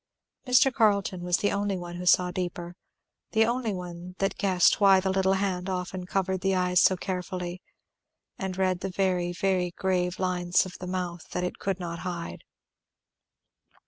Mr. Carleton was the only one who saw deeper; the only one that guessed why the little hand often covered the eyes so carefully, and read the very, very grave lines of the mouth that it could not hide.